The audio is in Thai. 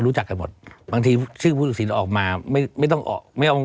รู้จักกันหมดบางทีชื่อผู้ตัดสินออกมาไม่ไม่ต้องออกไม่ต้อง